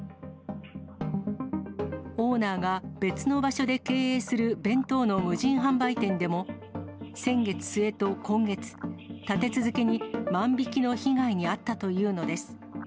オーナーが別の場所で経営する弁当の無人販売店でも、先月末と今月、立て続けに万引きの被害に遭ったというのです。